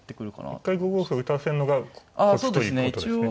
一回５五歩を打たせんのがコツということですね。